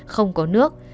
không có nước